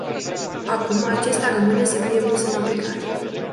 Acum acesta rămâne să fie pus în aplicare.